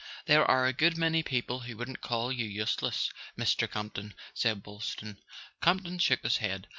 " "There are a good many people who wouldn't call you useless, Mr. Campton," said Boylston. Camp ton shook his head.